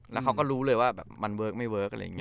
แล้วเขาก็รู้เลยว่าแบบมันเวิร์คไม่เวิร์คอะไรอย่างนี้